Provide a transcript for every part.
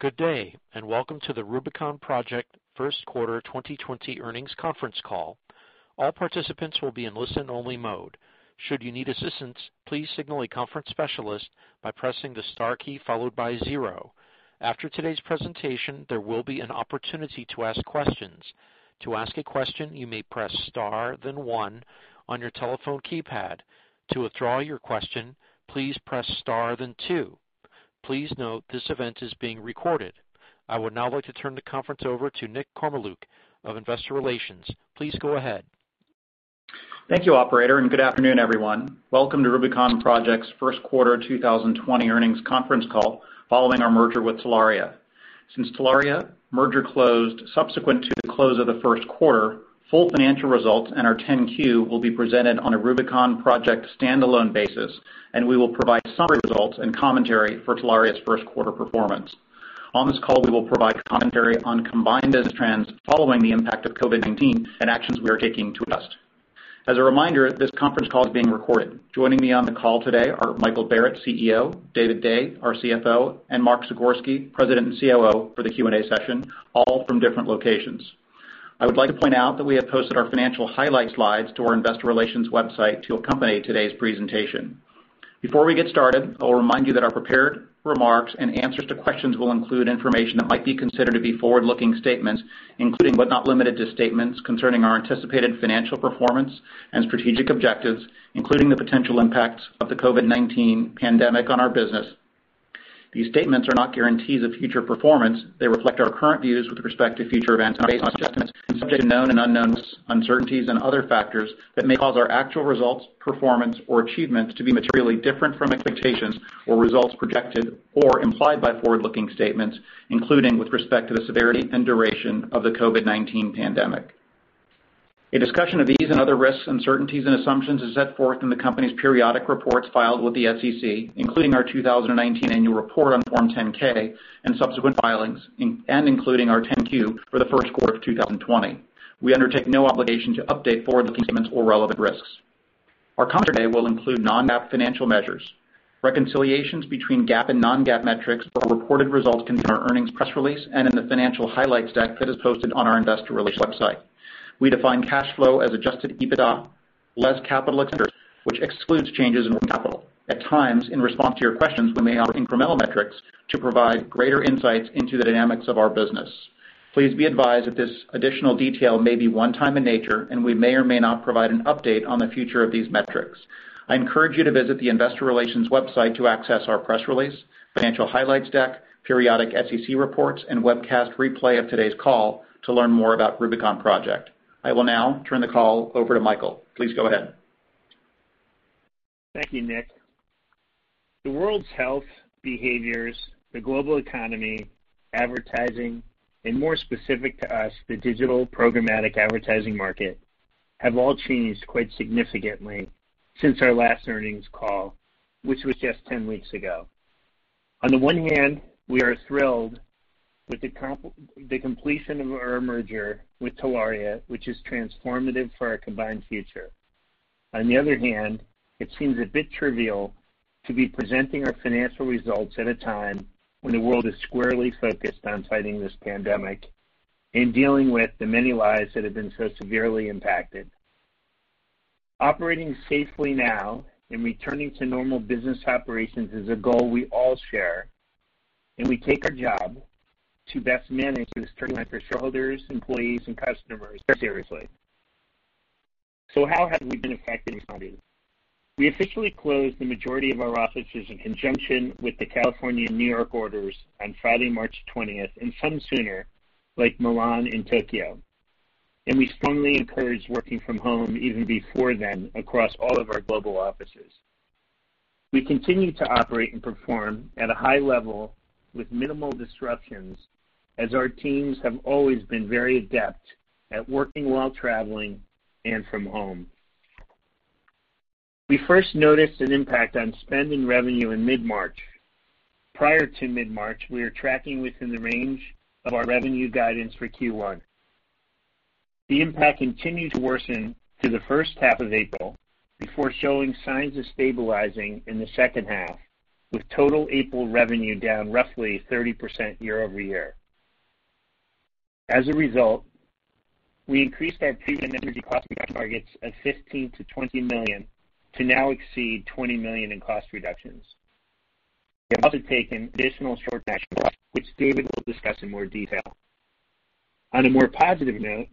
Good day, and welcome to the Rubicon Project First Quarter 2020 Earnings Conference Call. All participants will be in listen-only mode. Should you need assistance, please signal a conference specialist by pressing the star key followed by zero. After today's presentation, there will be an opportunity to ask questions. To ask a question, you may press star then one on your telephone keypad. To withdraw your question, please press star then two. Please note this event is being recorded. I would now like to turn the conference over to Nick Kormeluk of Investor Relations. Please go ahead. Thank you, operator. Good afternoon, everyone. Welcome to Rubicon Project's First Quarter 2020 Earnings Conference Call following our merger with Telaria. Since Telaria merger closed subsequent to the close of the first quarter, full financial results and our 10-Q will be presented on a Rubicon Project standalone basis, and we will provide summary results and commentary for Telaria's first quarter performance. On this call, we will provide commentary on combined business trends following the impact of COVID-19 and actions we are taking to adjust. As a reminder, this conference call is being recorded. Joining me on the call today are Michael Barrett, CEO, David Day, our CFO, and Mark Zagorski, President and COO, for the Q&A session, all from different locations. I would like to point out that we have posted our financial highlight slides to our investor relations website to accompany today's presentation. Before we get started, I will remind you that our prepared remarks and answers to questions will include information that might be considered to be forward-looking statements, including but not limited to statements concerning our anticipated financial performance and strategic objectives, including the potential impacts of the COVID-19 pandemic on our business. These statements are not guarantees of future performance. They reflect our current views with respect to future events and are based on assumptions subject to known and unknowns, uncertainties, and other factors that may cause our actual results, performance, or achievements to be materially different from expectations or results projected or implied by forward-looking statements, including with respect to the severity and duration of the COVID-19 pandemic. A discussion of these and other risks, uncertainties, and assumptions is set forth in the company's periodic reports filed with the SEC, including our 2019 Annual Report on Form 10-K and subsequent filings in and including our 10-Q for the first quarter of 2020. We undertake no obligation to update forward-looking statements or relevant risks. Our commentary will include non-GAAP financial measures. Reconciliations between GAAP and non-GAAP metrics or reported results can be in our earnings press release and in the financial highlights deck that is posted on our investor relations website. We define cash flow as adjusted EBITDA less capital expenditures, which excludes changes in working capital. At times, in response to your questions, we may offer incremental metrics to provide greater insights into the dynamics of our business. Please be advised that this additional detail may be one time in nature, and we may or may not provide an update on the future of these metrics. I encourage you to visit the investor relations website to access our press release, financial highlights deck, periodic SEC reports, and webcast replay of today's call to learn more about Rubicon Project. I will now turn the call over to Michael. Please go ahead. Thank you, Nick. The world's health behaviors, the global economy, advertising, and more specific to us, the digital programmatic advertising market, have all changed quite significantly since our last earnings call, which was just 10 weeks ago. On the one hand, we are thrilled with the completion of our merger with Telaria, which is transformative for our combined future. On the other hand, it seems a bit trivial to be presenting our financial results at a time when the world is squarely focused on fighting this pandemic and dealing with the many lives that have been so severely impacted. Operating safely now and returning to normal business operations is a goal we all share, and we take our job to best manage this turn for shareholders, employees, and customers very seriously. How have we been affected in funding? We officially closed the majority of our offices in conjunction with the California and N.Y. orders on Friday, March 20th, and some sooner, like Milan and Tokyo. We strongly encourage working from home even before then across all of our global offices. We continue to operate and perform at a high level with minimal disruptions as our teams have always been very adept at working while traveling and from home. We first noticed an impact on spend and revenue in mid-March. Prior to mid-March, we were tracking within the range of our revenue guidance for Q1. The impact continued to worsen through the first half of April before showing signs of stabilizing in the second half, with total April revenue down roughly 30% year-over-year. As a result, we increased our pre-merger cost-reduction targets of $15 million to $20 million to now exceed $20 million in cost reductions. We have also taken additional short-term actions, which David will discuss in more detail. On a more positive note,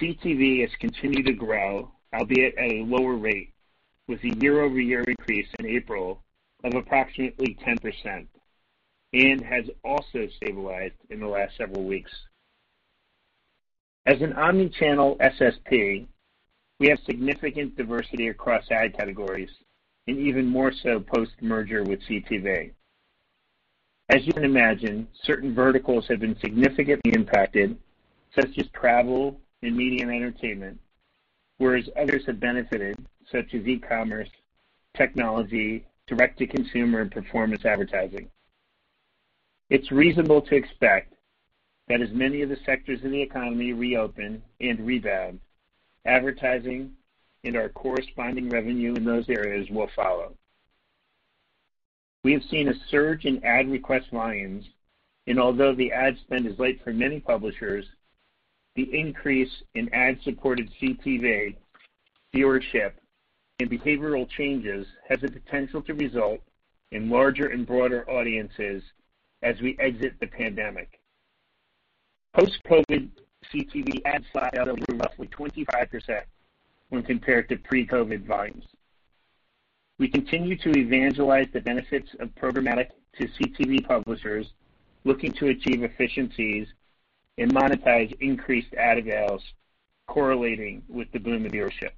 CTV has continued to grow, albeit at a lower rate, with a year-over-year increase in April of approximately 10%, and has also stabilized in the last several weeks. As an omni-channel SSP, we have significant diversity across ad categories and even more so post-merger with CTV. As you can imagine, certain verticals have been significantly impacted, such as travel and media and entertainment, whereas others have benefited, such as e-commerce, technology, direct-to-consumer, and performance advertising. It's reasonable to expect that as many of the sectors in the economy reopen and rebound, advertising and our corresponding revenue in those areas will follow. We have seen a surge in ad request volumes. Although the ad spend is light for many publishers, the increase in ad-supported CTV viewership and behavioral changes has the potential to result in larger and broader audiences as we exit the pandemic. Post-COVID, CTV ad spots are up roughly 25% when compared to pre-COVID volumes. We continue to evangelize the benefits of programmatic to CTV publishers looking to achieve efficiencies and monetize increased ad avails correlating with the boom of viewership.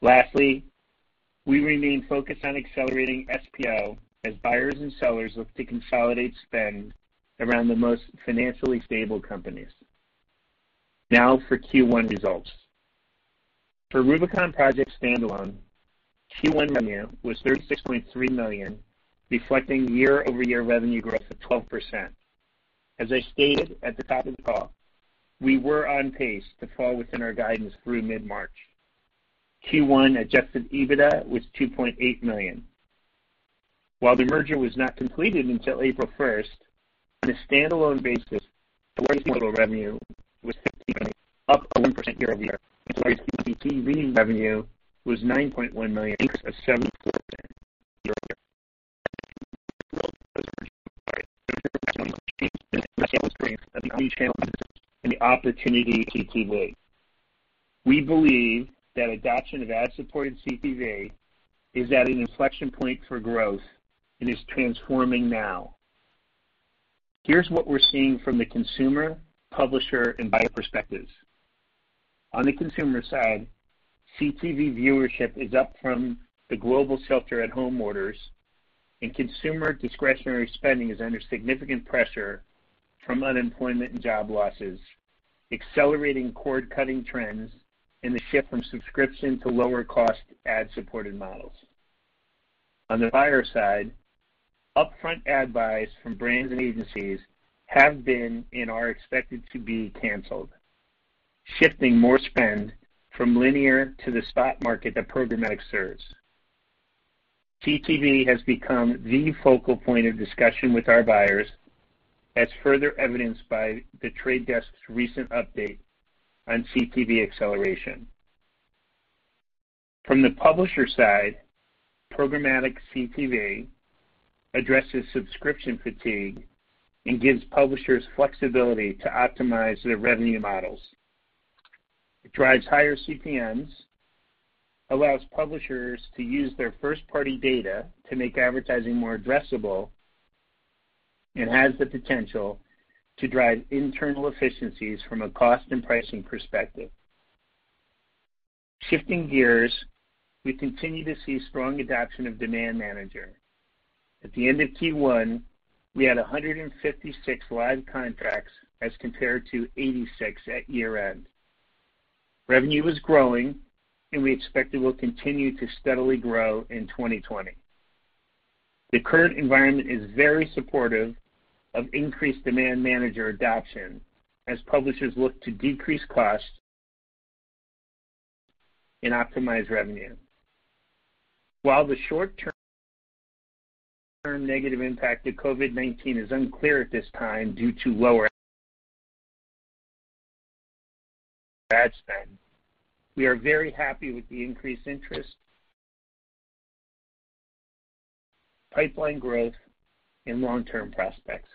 Lastly, we remain focused on accelerating SPO as buyers and sellers look to consolidate spend around the most financially stable companies. Now for Q1 results. For Rubicon Project standalone, Q1 revenue was $36.3 million, reflecting year-over-year revenue growth of 12%. As I stated at the top of the call, we were on pace to fall within our guidance through mid-March. Q1 adjusted EBITDA was $2.8 million. While the merger was not completed until April 1st, on a standalone basis, advertising revenue was $15 million, up 11% year-over-year. Advertising CTV leading revenue was $9.1 million, an increase of 74% year-over-year. The opportunity with CTV. We believe that adoption of ad-supported CTV is at an inflection point for growth and is transforming now. Here's what we're seeing from the consumer, publisher, and buyer perspectives. On the consumer side, CTV viewership is up from the global shelter at home orders, and consumer discretionary spending is under significant pressure from unemployment and job losses, accelerating cord-cutting trends and the shift from subscription to lower-cost ad-supported models. On the buyer side, upfront ad buys from brands and agencies have been and are expected to be canceled, shifting more spend from linear to the spot market that programmatic serves. CTV has become the focal point of discussion with our buyers, as further evidenced by The Trade Desk's recent update on CTV acceleration. From the publisher side, programmatic CTV addresses subscription fatigue and gives publishers flexibility to optimize their revenue models. It drives higher CPMs, allows publishers to use their first-party data to make advertising more addressable, and has the potential to drive internal efficiencies from a cost and pricing perspective. Shifting gears, we continue to see strong adoption of Demand Manager. At the end of Q1, we had 156 live contracts as compared to 86 at year-end. Revenue is growing, we expect it will continue to steadily grow in 2020. The current environment is very supportive of increased Demand Manager adoption as publishers look to decrease costs and optimize revenue. While the short-term negative impact of COVID-19 is unclear at this time due to lower ad spend, we are very happy with the increased interest, pipeline growth, and long-term prospects.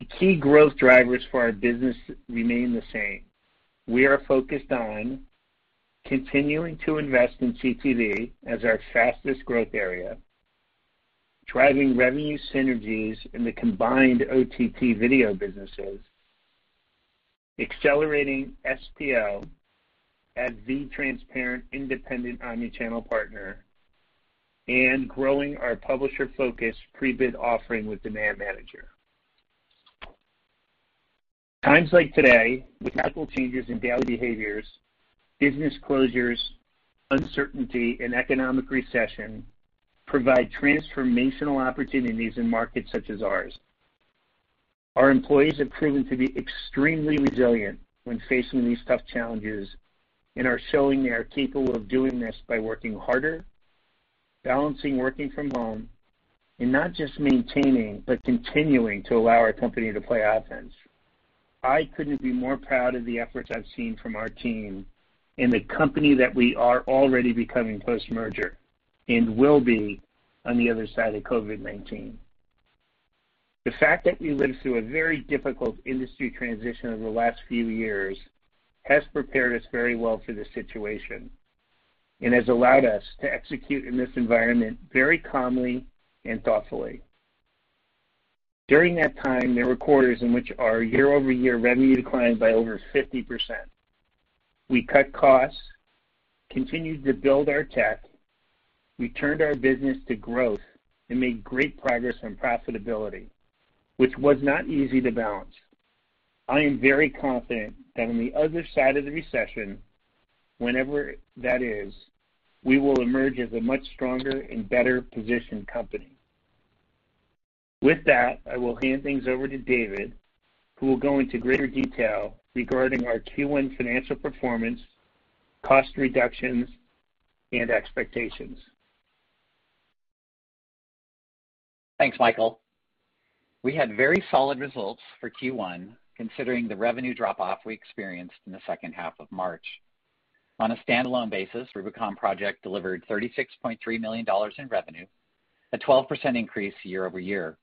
The key growth drivers for our business remain the same. We are focused on continuing to invest in CTV as our fastest growth area, driving revenue synergies in the combined OTT video businesses, accelerating SPO as the transparent, independent omni-channel partner, and growing our publisher focus Prebid offering with Demand Manager. Times like today, with radical changes in daily behaviors, business closures, uncertainty, and economic recession, provide transformational opportunities in markets such as ours. Our employees have proven to be extremely resilient when facing these tough challenges and are showing they are capable of doing this by working harder, balancing working from home, and not just maintaining, but continuing to allow our company to play offense. I couldn't be more proud of the efforts I've seen from our team and the company that we are already becoming post-merger and will be on the other side of COVID-19. The fact that we lived through a very difficult industry transition over the last few years has prepared us very well for this situation and has allowed us to execute in this environment very calmly and thoughtfully. During that time, there were quarters in which our year-over-year revenue declined by over 50%. We cut costs, continued to build our tech, we turned our business to growth, and made great progress on profitability, which was not easy to balance. I am very confident that on the other side of the recession, whenever that is, we will emerge as a much stronger and better-positioned company. With that, I will hand things over to David, who will go into greater detail regarding our Q1 financial performance, cost reductions, and expectations. Thanks, Michael. We had very solid results for Q1, considering the revenue drop-off we experienced in the second half of March. On a standalone basis, Rubicon Project delivered $36.3 million in revenue, a 12% increase year-over-year.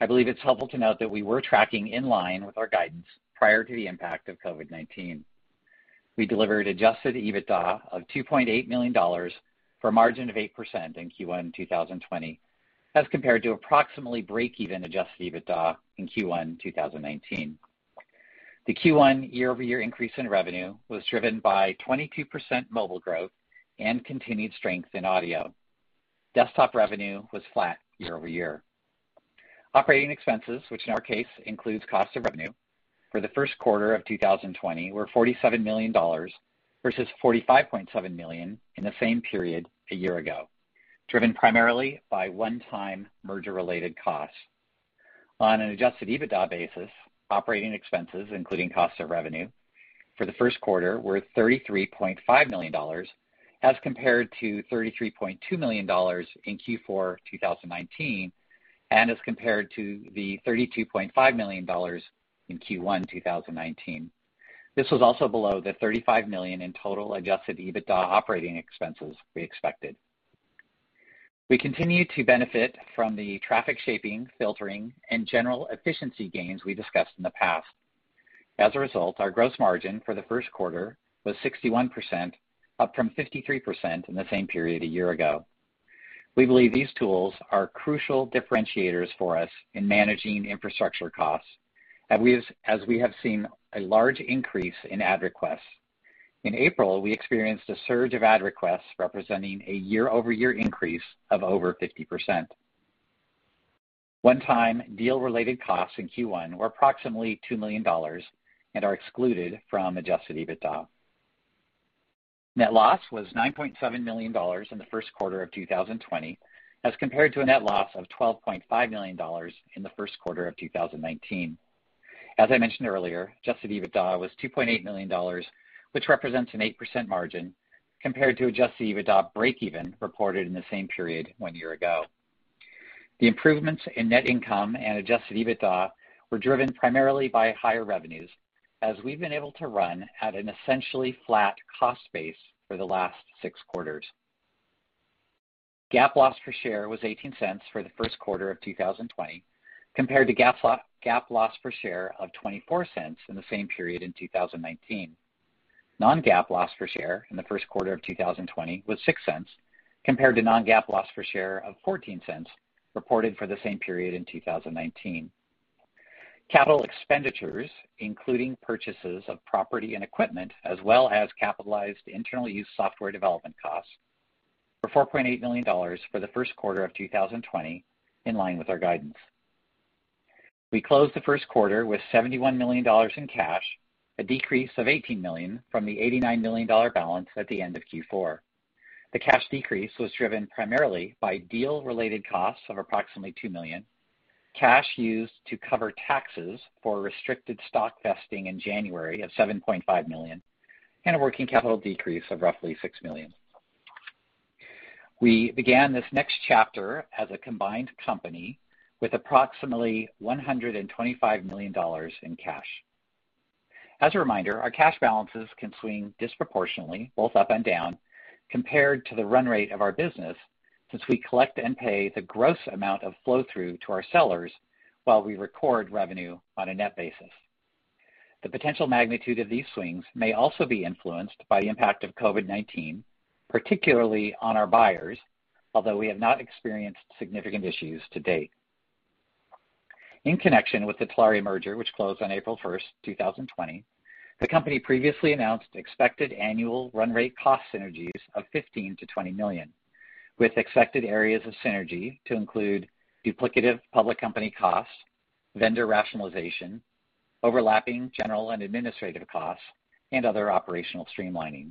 I believe it's helpful to note that we were tracking in line with our guidance prior to the impact of COVID-19. We delivered adjusted EBITDA of $2.8 million for a margin of 8% in Q1 2020, as compared to approximately breakeven adjusted EBITDA in Q1 2019. The Q1 year-over-year increase in revenue was driven by 22% mobile growth and continued strength in audio. Desktop revenue was flat year-over-year. Operating expenses, which in our case includes cost of revenue, for the first quarter of 2020 were $47 million versus $45.7 million in the same period a year ago, driven primarily by one-time merger-related costs. On an adjusted EBITDA basis, operating expenses, including cost of revenue, for the first quarter were $33.5 million as compared to $33.2 million in Q4 2019, as compared to the $32.5 million in Q1 2019. This was also below the $35 million in total adjusted EBITDA operating expenses we expected. We continue to benefit from the traffic shaping, filtering, and general efficiency gains we discussed in the past. Our gross margin for the first quarter was 61%, up from 53% in the same period a year ago. We believe these tools are crucial differentiators for us in managing infrastructure costs, as we have seen a large increase in ad requests. In April, we experienced a surge of ad requests representing a year-over-year increase of over 50%. One-time deal-related costs in Q1 were approximately $2 million and are excluded from adjusted EBITDA. Net loss was $9.7 million in the first quarter of 2020, as compared to a net loss of $12.5 million in the first quarter of 2019. As I mentioned earlier, adjusted EBITDA was $2.8 million, which represents an 8% margin compared to adjusted EBITDA breakeven reported in the same period one year ago. The improvements in net income and adjusted EBITDA were driven primarily by higher revenues, as we've been able to run at an essentially flat cost base for the last six quarters. GAAP loss per share was $0.18 for the first quarter of 2020, compared to GAAP loss per share of $0.24 in the same period in 2019. Non-GAAP loss per share in the first quarter of 2020 was $0.06, compared to non-GAAP loss per share of $0.14 reported for the same period in 2019. Capital expenditures, including purchases of property and equipment, as well as capitalized internal use software development costs, were $4.8 million for the first quarter of 2020, in line with our guidance. We closed the first quarter with $71 million in cash, a decrease of $18 million from the $89 million balance at the end of Q4. The cash decrease was driven primarily by deal-related costs of approximately $2 million, cash used to cover taxes for restricted stock vesting in January of $7.5 million, and a working capital decrease of roughly $6 million. We began this next chapter as a combined company with approximately $125 million in cash. As a reminder, our cash balances can swing disproportionately, both up and down, compared to the run rate of our business, since we collect and pay the gross amount of flow-through to our sellers while we record revenue on a net basis. The potential magnitude of these swings may also be influenced by the impact of COVID-19, particularly on our buyers, although we have not experienced significant issues to date. In connection with the Telaria merger, which closed on April 1st, 2020, the company previously announced expected annual run rate cost synergies of $15 million to $20 million, with expected areas of synergy to include duplicative public company costs, vendor rationalization, overlapping general and administrative costs, and other operational streamlining.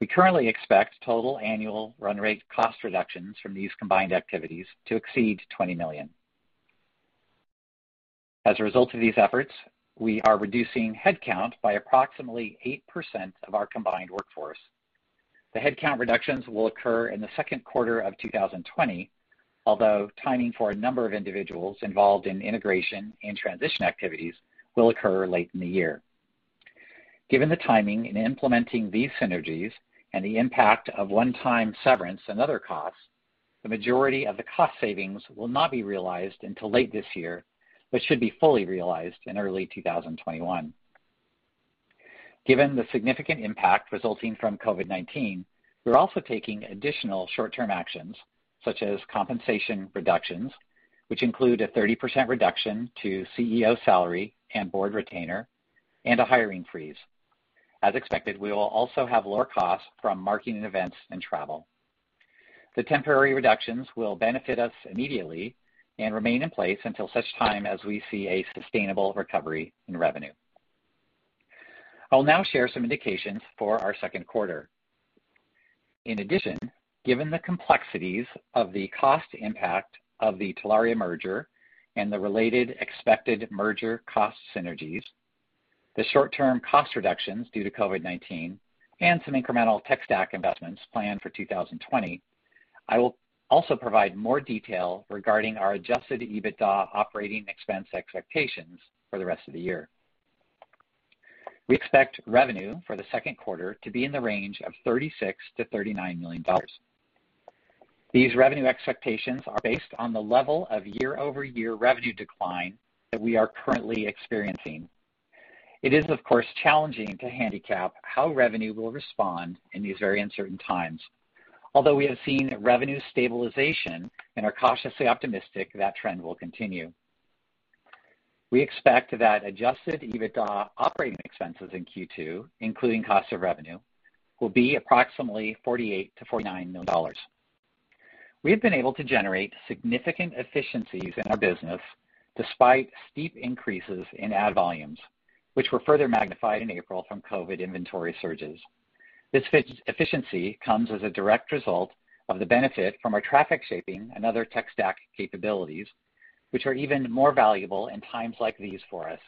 We currently expect total annual run rate cost reductions from these combined activities to exceed $20 million. As a result of these efforts, we are reducing headcount by approximately 8% of our combined workforce. The headcount reductions will occur in the second quarter of 2020, although timing for a number of individuals involved in integration and transition activities will occur late in the year. Given the timing in implementing these synergies and the impact of one-time severance and other costs, the majority of the cost savings will not be realized until late this year, but should be fully realized in early 2021. Given the significant impact resulting from COVID-19, we're also taking additional short-term actions such as compensation reductions, which include a 30% reduction to CEO salary and board retainer, and a hiring freeze. As expected, we will also have lower costs from marketing events and travel. The temporary reductions will benefit us immediately and remain in place until such time as we see a sustainable recovery in revenue. I will now share some indications for our second quarter. In addition, given the complexities of the cost impact of the Telaria merger and the related expected merger cost synergies, the short-term cost reductions due to COVID-19, and some incremental tech stack investments planned for 2020, I will also provide more detail regarding our adjusted EBITDA operating expense expectations for the rest of the year. We expect revenue for the second quarter to be in the range of $36 million to $39 million. These revenue expectations are based on the level of year-over-year revenue decline that we are currently experiencing. It is, of course, challenging to handicap how revenue will respond in these very uncertain times, although we have seen revenue stabilization and are cautiously optimistic that trend will continue. We expect that adjusted EBITDA operating expenses in Q2, including cost of revenue, will be approximately $48 million to $49 million. We have been able to generate significant efficiencies in our business despite steep increases in ad volumes, which were further magnified in April from COVID inventory surges. This efficiency comes as a direct result of the benefit from our traffic shaping and other tech stack capabilities, which are even more valuable in times like these for us,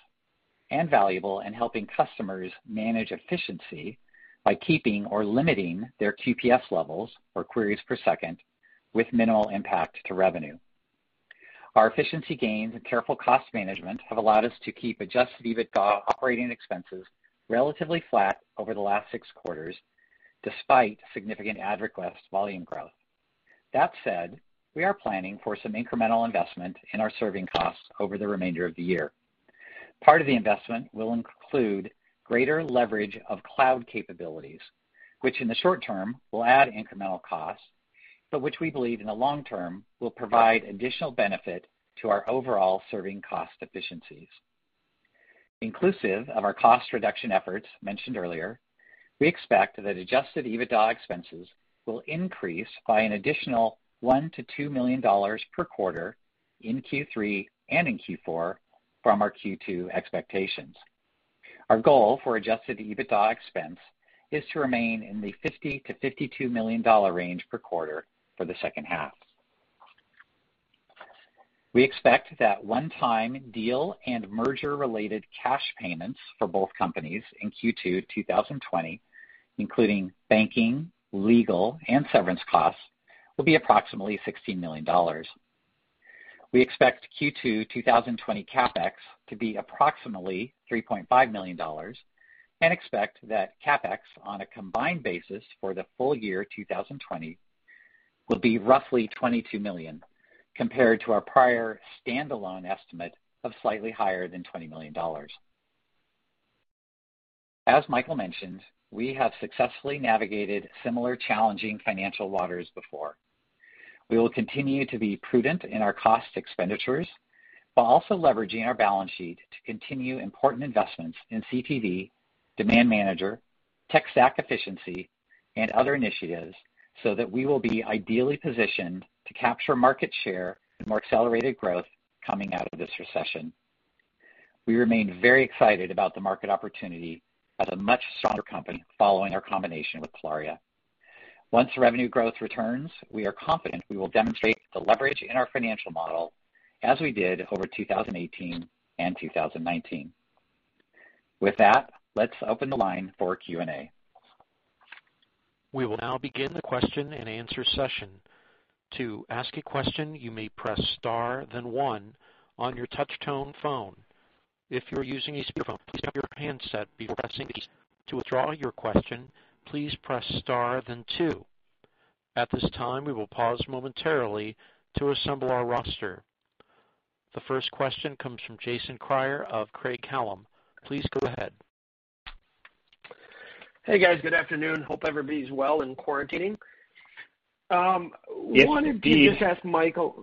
and valuable in helping customers manage efficiency by keeping or limiting their QPS levels, or queries per second, with minimal impact to revenue. Our efficiency gains and careful cost management have allowed us to keep adjusted EBITDA operating expenses relatively flat over the last six quarters, despite significant ad request volume growth. That said, we are planning for some incremental investment in our serving costs over the remainder of the year. Part of the investment will include greater leverage of cloud capabilities, which in the short term will add incremental costs, but which we believe in the long term will provide additional benefit to our overall serving cost efficiencies. Inclusive of our cost reduction efforts mentioned earlier, we expect that adjusted EBITDA expenses will increase by an additional $1 million to $2 million per quarter in Q3 and in Q4 from our Q2 expectations. Our goal for adjusted EBITDA expense is to remain in the $50 million to $52 million range per quarter for the second half. We expect that one-time deal and merger-related cash payments for both companies in Q2 2020, including banking, legal, and severance costs, will be approximately $16 million. We expect Q2 2020 CapEx to be approximately $3.5 million and expect that CapEx on a combined basis for the full-year 2020 will be roughly $22 million, compared to our prior standalone estimate of slightly higher than $20 million. As Michael mentioned, we have successfully navigated similar challenging financial waters before. We will continue to be prudent in our cost expenditures while also leveraging our balance sheet to continue important investments in CTV, Demand Manager, tech stack efficiency, and other initiatives so that we will be ideally positioned to capture market share and more accelerated growth coming out of this recession. We remain very excited about the market opportunity as a much stronger company following our combination with Telaria. Once revenue growth returns, we are confident we will demonstrate the leverage in our financial model as we did over 2018 and 2019. With that, let's open the line for Q&A. We will now begin the question-and-answer session. To ask a question, you may press star then one on your touch tone phone. If you are using a speakerphone, please mute your handset before pressing the keys. To withdraw your question, please press star then two. At this time, we will pause momentarily to assemble our roster. The first question comes from Jason Kreyer of Craig-Hallum. Please go ahead. Hey, guys. Good afternoon. Hope everybody's well and quarantining. Yes, indeed. Michael,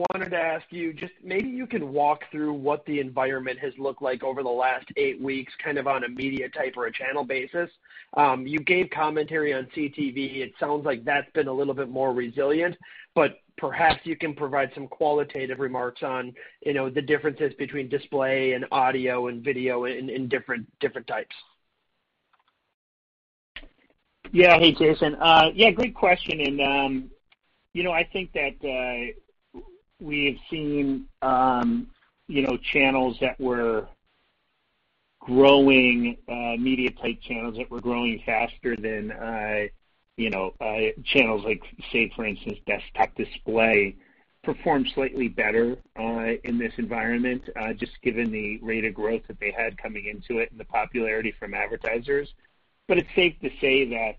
wanted to ask you, just maybe you can walk through what the environment has looked like over the last eight weeks, kind of on a media type or a channel basis. You gave commentary on CTV. It sounds like that's been a little bit more resilient. Perhaps you can provide some qualitative remarks on the differences between display and audio and video in different types. Yeah. Hey, Jason. Yeah, great question. I think that we have seen media type channels that were growing faster than channels like, say, for instance, desktop display, perform slightly better in this environment, just given the rate of growth that they had coming into it and the popularity from advertisers. It's safe to say that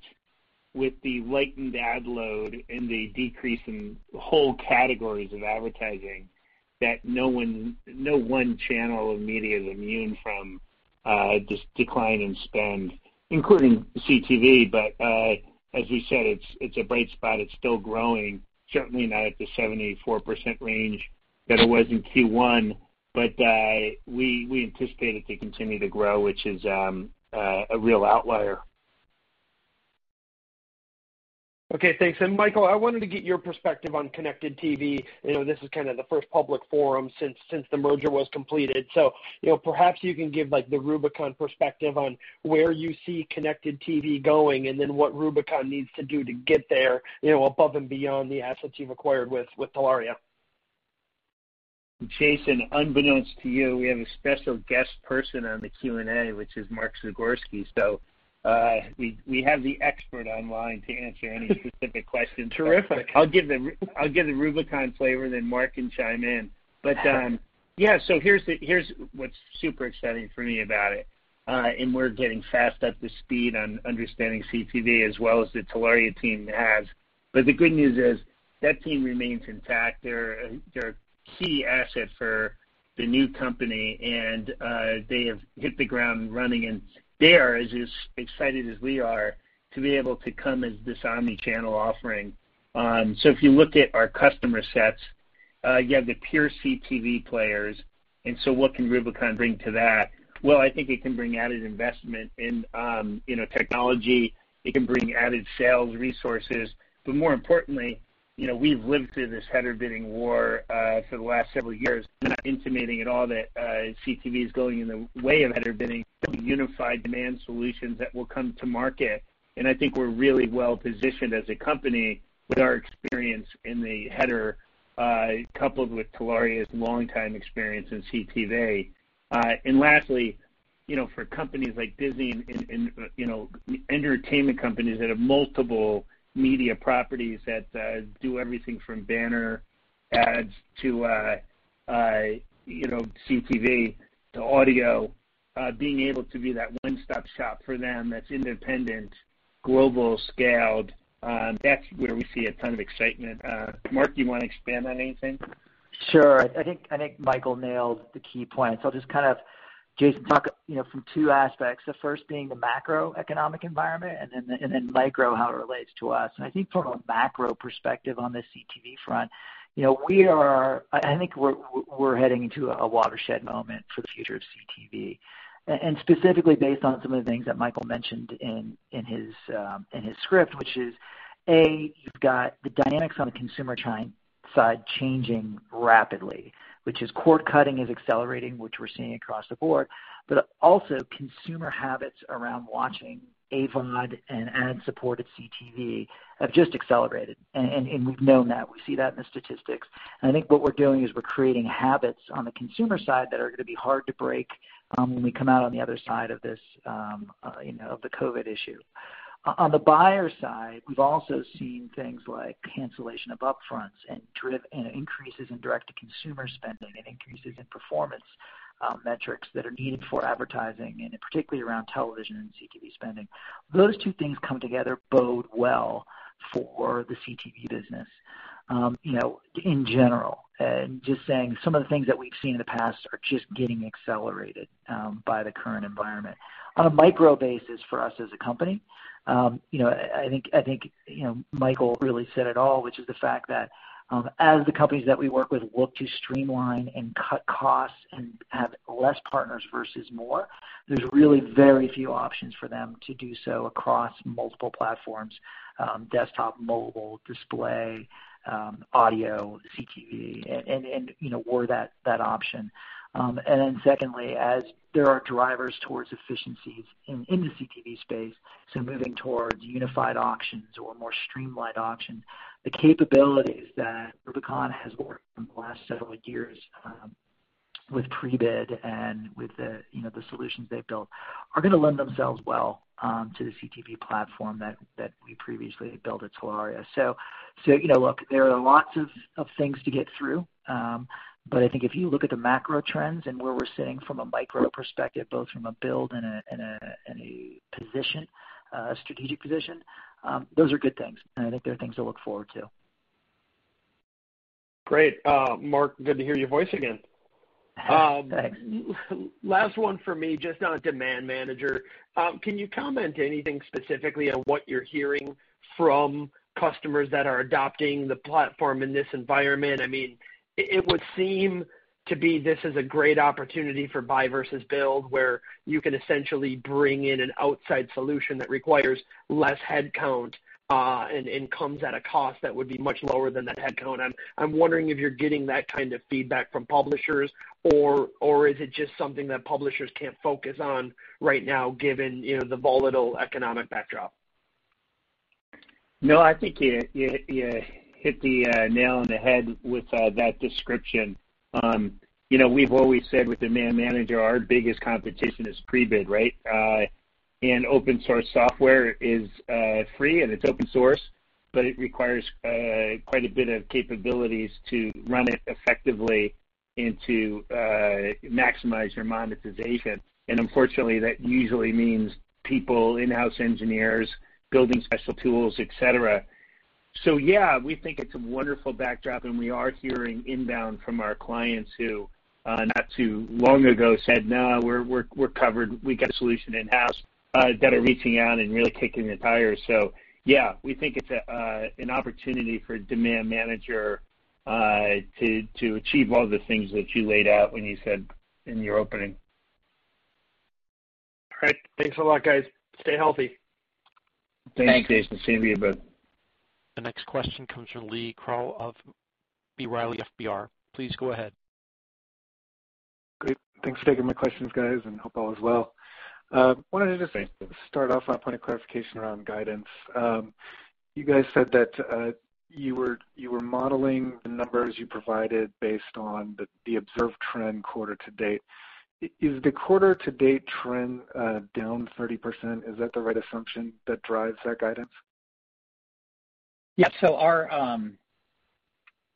with the lightened ad load and the decrease in whole categories of advertising, that no one channel of media is immune from this decline in spend, including CTV. As we said, it's a bright spot. It's still growing. Certainly not at the 74% range that it was in Q1. We anticipate it to continue to grow, which is a real outlier. Okay, thanks. Michael, I wanted to get your perspective on connected TV. This is kind of the first public forum since the merger was completed. Perhaps you can give the Rubicon perspective on where you see connected TV going, and then what Rubicon needs to do to get there above and beyond the assets you've acquired with Telaria. Jason, unbeknownst to you, we have a special guest person on the Q&A, which is Mark Zagorski. We have the expert online to answer any specific questions. Terrific. I'll give the Rubicon flavor, then Mark can chime in. Yeah. Here's what's super exciting for me about it, and we're getting fast up to speed on understanding CTV as well as the Telaria team has. The good news is that team remains intact. They're a key asset for the new company, and they have hit the ground running, and they are as excited as we are to be able to come as this omni-channel offering. If you look at our customer sets, you have the pure CTV players. What can Rubicon bring to that? Well, I think it can bring added investment in technology. It can bring added sales resources. More importantly, we've lived through this header bidding war for the last several years. I'm not intimating at all that CTV is going in the way of header bidding, unified demand solutions that will come to market. I think we're really well-positioned as a company with our experience in the header, coupled with Telaria's longtime experience in CTV. Lastly, for companies like Disney and entertainment companies that have multiple media properties that do everything from banner ads to CTV to audio, being able to be that one-stop shop for them that's independent, global, scaled, that's where we see a ton of excitement. Mark, do you want to expand on anything? Sure. I think Michael nailed the key points. I'll just kind of, Jason, talk from two aspects, the first being the macroeconomic environment and then micro, how it relates to us. I think from a macro perspective on the CTV front, I think we're heading into a watershed moment for the future of CTV. Specifically based on some of the things that Michael mentioned in his script, which is, A, you've got the dynamics on the consumer side changing rapidly, which is cord cutting is accelerating, which we're seeing across the board, but also consumer habits around watching AVOD and ad-supported CTV have just accelerated. We've known that. We see that in the statistics. I think what we're doing is we're creating habits on the consumer side that are going to be hard to break when we come out on the other side of the COVID-19 issue. On the buyer side, we've also seen things like cancellation of up-fronts and increases in direct-to-consumer spending and increases in performance metrics that are needed for advertising, and particularly around television and CTV spending. Those two things come together bode well for the CTV business in general, and just saying some of the things that we've seen in the past are just getting accelerated by the current environment. On a micro basis for us as a company, I think Michael really said it all, which is the fact that as the companies that we work with look to streamline and cut costs and have less partners versus more, there's really very few options for them to do so across multiple platforms, desktop, mobile, display, audio, CTV, and we're that option. Secondly, as there are drivers towards efficiencies in the CTV space, so moving towards unified auctions or more streamlined auctions, the capabilities that Rubicon has worked on the last several years with Prebid and with the solutions they've built are going to lend themselves well to the CTV platform that we previously built at Telaria. Look, there are lots of things to get through. I think if you look at the macro trends and where we're sitting from a micro perspective, both from a build and a strategic position, those are good things, and I think they're things to look forward to. Great. Mark, good to hear your voice again. Thanks. Last one for me, just on Demand Manager. Can you comment anything specifically on what you're hearing from customers that are adopting the platform in this environment? It would seem to be this is a great opportunity for buy versus build, where you can essentially bring in an outside solution that requires less headcount and comes at a cost that would be much lower than that headcount. I'm wondering if you're getting that kind of feedback from publishers, or is it just something that publishers can't focus on right now given the volatile economic backdrop? No, I think you hit the nail on the head with that description. We've always said with Demand Manager, our biggest competition is Prebid, right? Open source software is free, and it's open source, but it requires quite a bit of capabilities to run it effectively and to maximize your monetization. Unfortunately, that usually means people, in-house engineers, building special tools, et cetera. Yeah, we think it's a wonderful backdrop, and we are hearing inbound from our clients who not too long ago said, "No, we're covered. We got a solution in-house," that are reaching out and really kicking the tires. Yeah, we think it's an opportunity for Demand Manager to achieve all the things that you laid out when you said in your opening. All right. Thanks a lot, guys. Stay healthy. Thanks. Thanks, Jason. Same to you, bud. The next question comes from Lee Krowl of B. Riley FBR. Please go ahead. Great. Thanks for taking my questions, guys, and hope all is well. Thanks Start off on a point of clarification around guidance. You guys said that you were modeling the numbers you provided based on the observed trend quarter-to-date. Is the quarter-to-date trend down 30%? Is that the right assumption that drives that guidance? Yeah.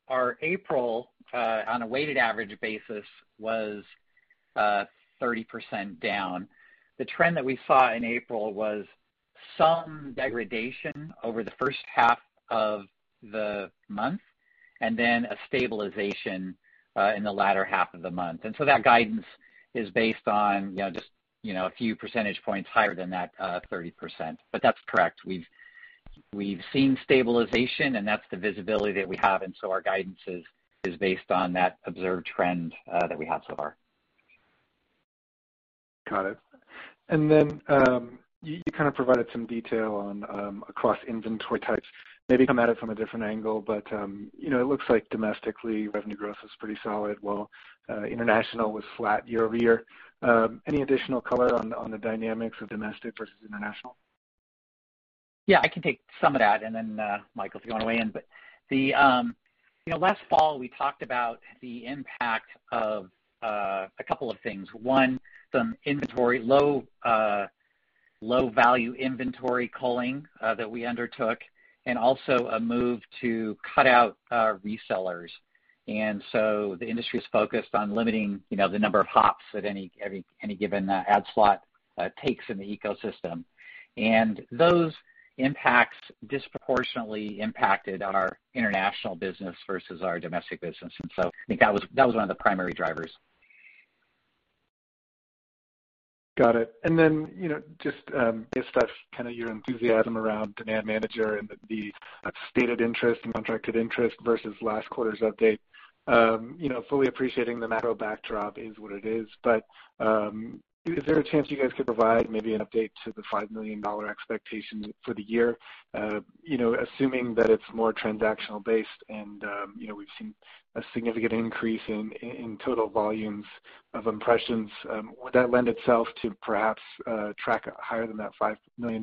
Our April, on a weighted average basis, was 30% down. The trend that we saw in April was some degradation over the first half of the month, and then a stabilization in the latter half of the month. That guidance is based on just a few percentage points higher than that 30%. That's correct. We've seen stabilization, and that's the visibility that we have, and so our guidance is based on that observed trend that we have so far. Got it. You kind of provided some detail on across inventory types. Maybe come at it from a different angle, it looks like domestically, revenue growth was pretty solid, while international was flat year-over-year. Any additional color on the dynamics of domestic versus international? Yeah, I can take some of that, and then Michael, if you want to weigh in. Last fall, we talked about the impact of a couple of things. One, some low-value inventory culling that we undertook, and also a move to cut out resellers. The industry is focused on limiting the number of hops that any given ad slot takes in the ecosystem. Those impacts disproportionately impacted our international business versus our domestic business. I think that was one of the primary drivers. Got it. Just based off kind of your enthusiasm around Demand Manager and the stated interest and contracted interest versus last quarter's update, fully appreciating the macro backdrop is what it is, but is there a chance you guys could provide maybe an update to the $5 million expectation for the year? Assuming that it's more transactional based and we've seen a significant increase in total volumes of impressions, would that lend itself to perhaps track higher than that $5 million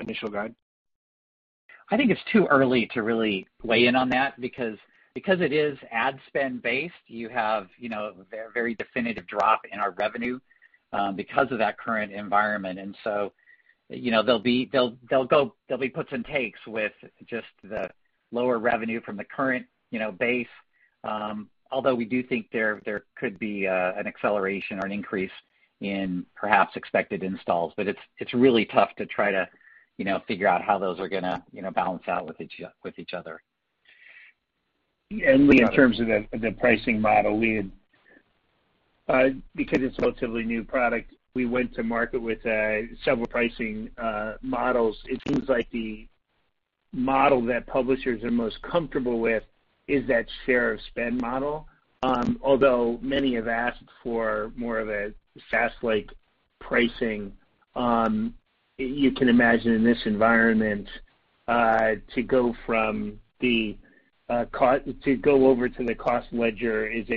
initial guide? I think it's too early to really weigh in on that because it is ad spend based, you have a very definitive drop in our revenue because of that current environment. There'll be puts and takes with just the lower revenue from the current base, although we do think there could be an acceleration or an increase in perhaps expected installs. It's really tough to try to figure out how those are going to balance out with each other. Lee, in terms of the pricing model, because it's a relatively new product, we went to market with several pricing models. It seems like the model that publishers are most comfortable with is that share of spend model. Although many have asked for more of a SaaS-like pricing, you can imagine in this environment, to go over to the cost ledger is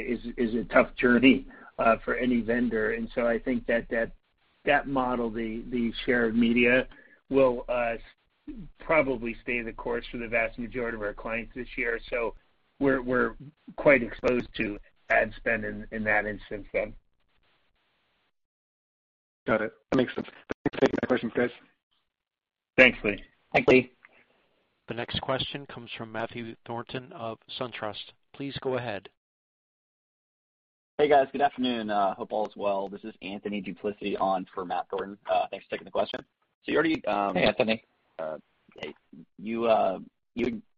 a tough journey for any vendor. I think that that model, the shared media, will probably stay the course for the vast majority of our clients this year. We're quite exposed to ad spend in that instance then. Got it. That makes sense. Thanks for taking my question, guys. Thanks, Lee. Thanks, Lee. The next question comes from Matthew Thornton of SunTrust. Please go ahead. Hey, guys. Good afternoon. Hope all is well. This is Anthony Duplisea on for Matt Thornton. Thanks for taking the question. You already Hey, Anthony. Hey. You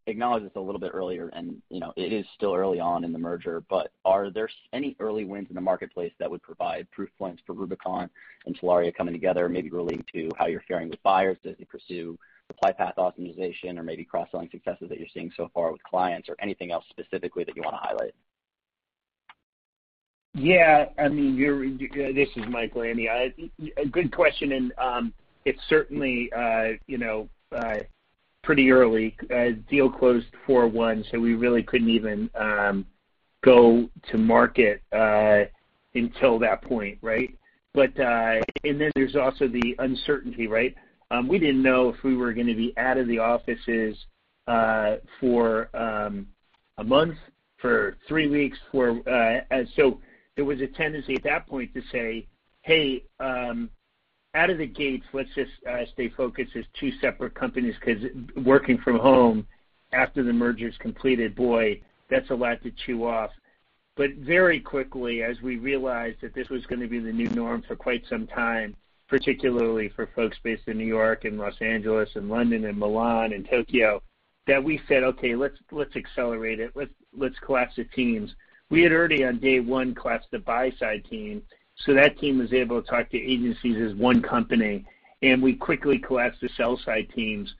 acknowledged this a little bit earlier and it is still early on in the merger, are there any early wins in the marketplace that would provide proof points for Rubicon and Telaria coming together, maybe relating to how you're faring with buyers as you pursue supply path optimization or maybe cross-selling successes that you're seeing so far with clients or anything else specifically that you want to highlight? Yeah. This is Michael, Anthony. A good question. It's certainly pretty early. Deal closed 4/1. We really couldn't even go to market until that point, right? There's also the uncertainty, right? We didn't know if we were going to be out of the offices for a month, for three weeks. There was a tendency at that point to say, "Hey, out of the gates, let's just stay focused as two separate companies," because working from home after the merger's completed, boy, that's a lot to chew off. Very quickly, as we realized that this was going to be the new norm for quite some time, particularly for folks based in New York and Los Angeles and London and Milan and Tokyo, that we said, "Okay, let's accelerate it. Let's collapse the teams." We had already on day one collapsed the buy-side team, that team was able to talk to agencies as one company, and we quickly collapsed the sell-side teams.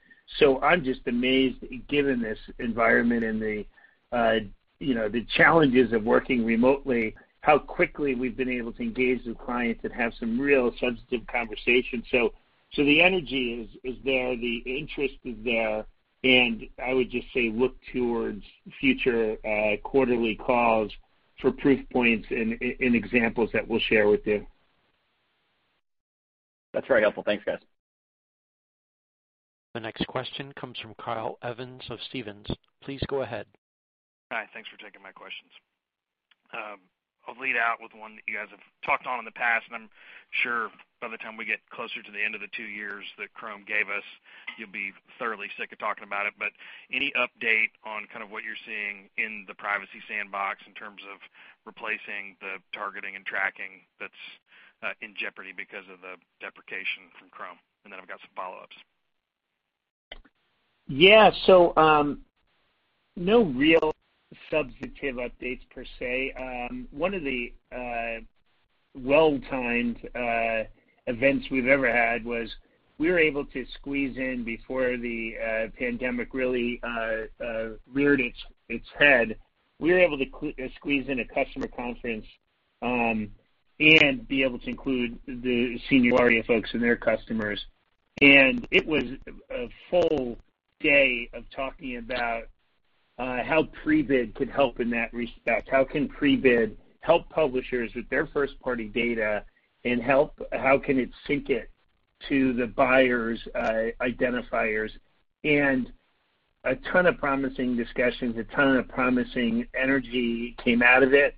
I'm just amazed, given this environment and the challenges of working remotely, how quickly we've been able to engage with clients and have some real substantive conversations. The energy is there, the interest is there, and I would just say look towards future quarterly calls for proof points and examples that we'll share with you. That's very helpful. Thanks, guys. The next question comes from Kyle Evans of Stephens. Please go ahead. Hi. Thanks for taking my questions. I'll lead out with one that you guys have talked on in the past, and I'm sure by the time we get closer to the end of the two years that Chrome gave us, you'll be thoroughly sick of talking about it. Any update on kind of what you're seeing in the Privacy Sandbox in terms of replacing the targeting and tracking that's in jeopardy because of the deprecation from Chrome? I've got some follow-ups. Yeah. No real substantive updates per se. One of the well-timed events we've ever had was we were able to squeeze in before the pandemic really reared its head. We were able to squeeze in a customer conference, and be able to include the senior party of folks and their customers. It was a full day of talking about how Prebid could help in that respect. How can Prebid help publishers with their first-party data, and how can it sync it to the buyer's identifiers? A ton of promising discussions, a ton of promising energy came out of it.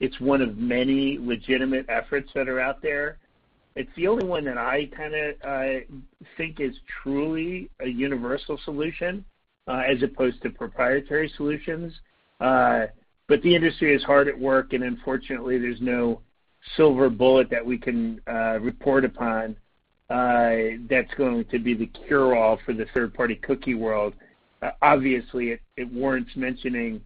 It's one of many legitimate efforts that are out there. It's the only one that I kind of think is truly a universal solution, as opposed to proprietary solutions. The industry is hard at work, and unfortunately, there's no silver bullet that we can report upon that's going to be the cure-all for the third-party cookie world. Obviously, it warrants mentioning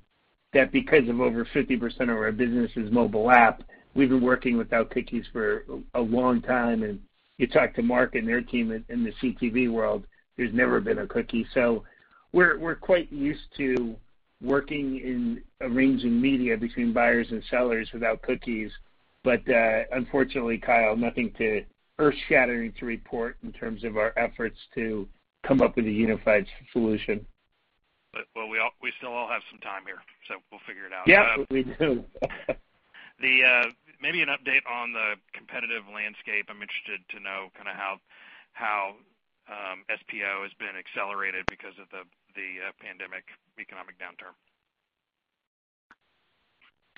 that because of over 50% of our business is mobile app, we've been working without cookies for a long time. You talk to Mark and their team in the CTV world, there's never been a cookie. We're quite used to working in arranging media between buyers and sellers without cookies. Unfortunately, Kyle, nothing too earth-shattering to report in terms of our efforts to come up with a unified solution. We still all have some time here, so we'll figure it out. Yep. We do. Maybe an update on the competitive landscape. I'm interested to know kind of how SPO has been accelerated because of the pandemic economic downturn.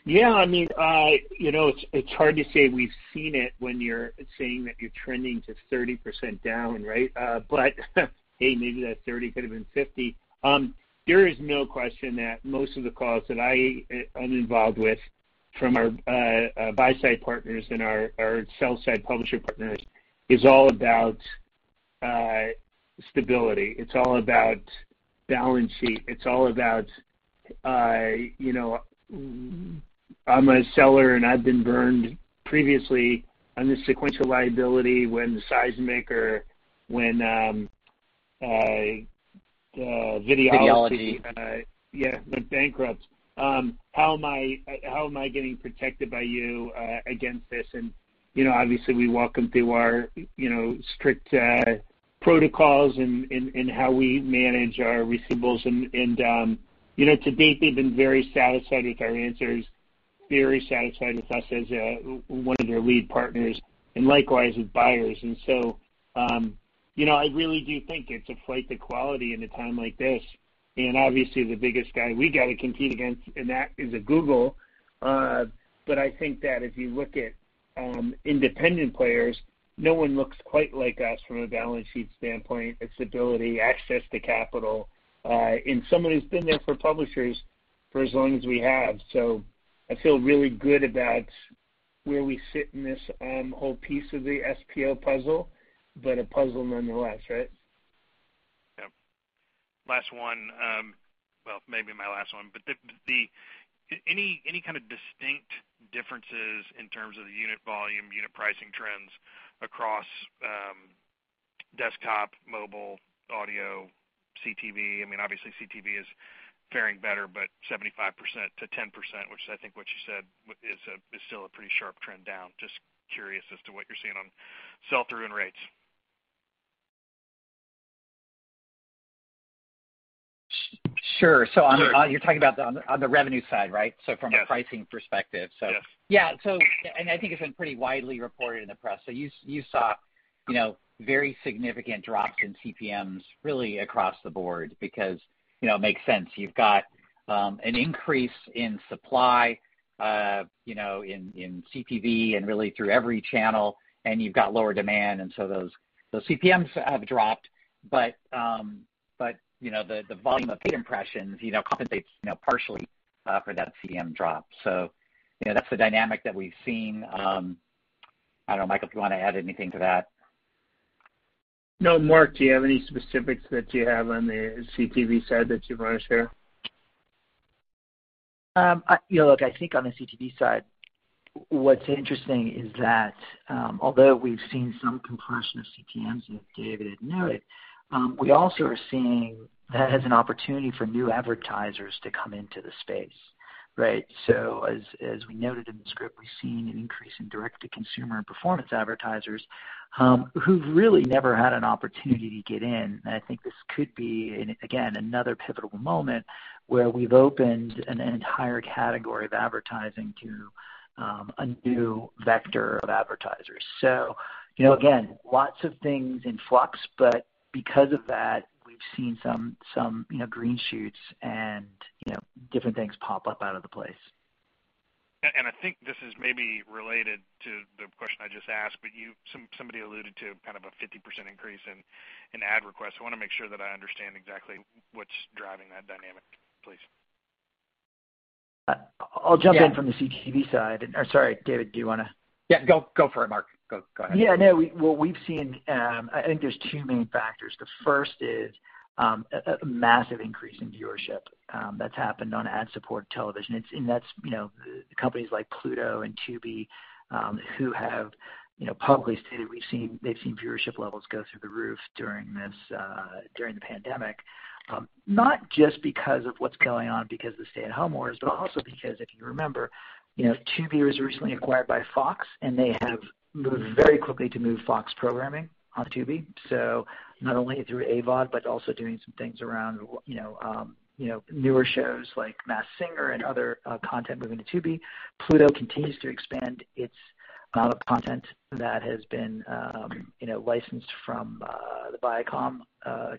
Yeah. It's hard to say we've seen it when you're saying that you're trending to 30% down, right? Hey, maybe that 30 could have been 50. There is no question that most of the calls that I'm involved with from our buy-side partners and our sell-side publisher partners is all about stability. It's all about balance sheet. It's all about, I'm a seller, and I've been burned previously on the sequential liability. Videology. Videology. Yeah, went bankrupt. How am I getting protected by you against this? Obviously we walk them through our strict protocols and how we manage our receivables. To date, they've been very satisfied with our answers, very satisfied with us as one of their lead partners, and likewise with buyers. I really do think it's a flight to quality in a time like this. Obviously the biggest guy we got to compete against in that is a Google. I think that if you look at independent players, no one looks quite like us from a balance sheet standpoint. It's ability, access to capital, and somebody who's been there for publishers for as long as we have. I feel really good about where we sit in this whole piece of the SPO puzzle, but a puzzle nonetheless, right? Yep. Last one. Well, maybe my last one. Any kind of distinct differences in terms of the unit volume, unit pricing trends across desktop, mobile, audio, CTV? Obviously CTV is faring better, but 75%-10%, which is I think what you said is still a pretty sharp trend down. Just curious as to what you're seeing on sell-through and rates. Sure. Sure. You're talking about on the revenue side, right? A pricing perspective. Yes. Yeah. I think it's been pretty widely reported in the press. You saw very significant drops in CPMs really across the board because it makes sense. You've got an increase in supply in CTV and really through every channel, and you've got lower demand. Those CPMs have dropped. The volume of paid impressions compensates partially for that CPM drop. That's the dynamic that we've seen. I don't know, Michael, if you want to add anything to that. No. Mark, do you have any specifics that you have on the CTV side that you want to share? I think on the CTV side, what's interesting is that, although we've seen some compression of CPMs, as David had noted, we also are seeing that as an opportunity for new advertisers to come into the space. Right? As we noted in the script, we've seen an increase in direct-to-consumer and performance advertisers, who've really never had an opportunity to get in. I think this could be, again, another pivotal moment where we've opened an entire category of advertising to a new vector of advertisers. Again, lots of things in flux. Because of that, we've seen some green shoots and different things pop up out of the place. I think this is maybe related to the question I just asked, but somebody alluded to kind of a 50% increase in ad requests. I want to make sure that I understand exactly what's driving that dynamic, please. I'll jump in from the CTV side. Sorry, David, do you want to? Yeah, go for it, Mark. Go ahead. Yeah, no. What we've seen, I think there's two main factors. The first is a massive increase in viewership that's happened on ad-supported television. That's companies like Pluto TV and Tubi, who have publicly stated they've seen viewership levels go through the roof during the pandemic. Not just because of what's going on because of the stay-at-home orders, but also because, if you remember, Tubi was recently acquired by Fox. They have moved very quickly to move Fox programming on Tubi. Not only through AVOD, but also doing some things around newer shows like "The Masked Singer" and other content moving to Tubi. Pluto TV continues to expand its amount of content that has been licensed from the Viacom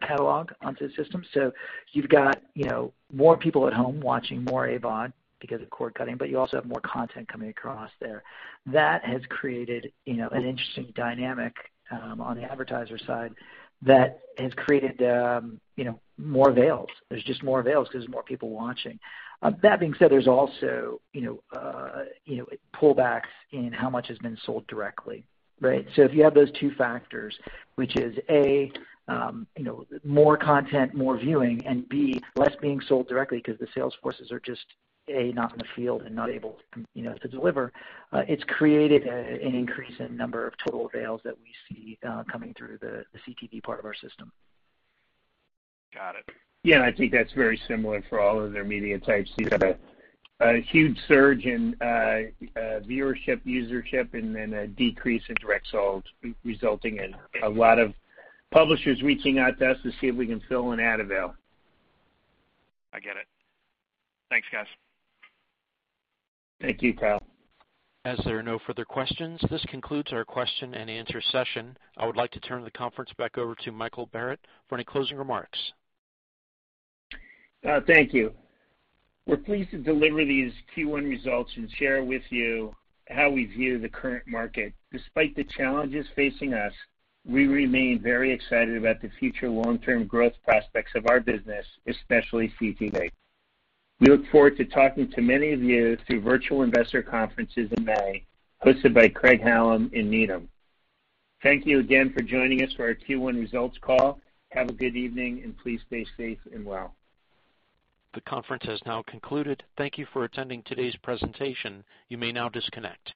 catalog onto the system. You've got more people at home watching more AVOD because of cord-cutting, but you also have more content coming across there. That has created an interesting dynamic on the advertiser side that has created more avails. There's just more avails because there's more people watching. That being said, there's also pullbacks in how much has been sold directly, right? If you have those two factors, which is, A, more content, more viewing, and B, less being sold directly because the sales forces are just, A, not in the field and not able to deliver, it's created an increase in number of total avails that we see coming through the CTV part of our system. Got it. Yeah, I think that is very similar for all other media types. You have got a huge surge in viewership, usership, and then a decrease in direct sales, resulting in a lot of publishers reaching out to us to see if we can fill an ad avail. I get it. Thanks, guys. Thank you, Kyle. As there are no further questions, this concludes our question-and-answer session. I would like to turn the conference back over to Michael Barrett for any closing remarks. Thank you. We're pleased to deliver these Q1 results and share with you how we view the current market. Despite the challenges facing us, we remain very excited about the future long-term growth prospects of our business, especially CTV. We look forward to talking to many of you through virtual investor conferences in May, hosted by Craig-Hallum and Needham. Thank you again for joining us for our Q1 results call. Have a good evening, and please stay safe and well. The conference has now concluded. Thank you for attending today's presentation. You may now disconnect.